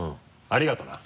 ありがとうな。